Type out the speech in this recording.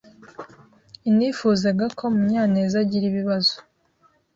inifuzaga ko Munyanezagira ibibazo.